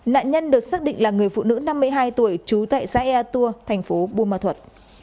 nạn nhân được xác định là người phụ nữ năm mươi hai tuổi trú tại xã ea tua thành phố buôn ma thuật